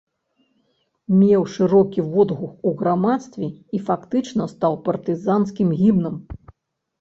Меў шырокі водгук у грамадстве і фактычна стаў партызанскім гімнам.